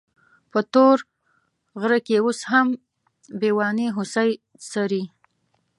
په تور غره کې اوس هم بېواني هوسۍ څري.